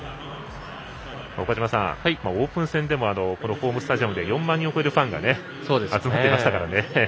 岡島さん、オープン戦でもこのホームスタジアムで４万人を超えるファンが集まりましたからね。